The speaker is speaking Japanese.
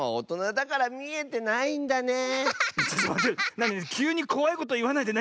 なにきゅうにこわいこといわないで。